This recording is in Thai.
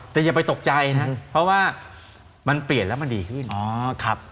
แต่อย่าไปตกใจนะเพราะว่ามันเปลี่ยนแล้วมันดีขึ้นอ๋อครับ